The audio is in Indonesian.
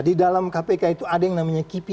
di dalam kpk itu ada yang namanya kipi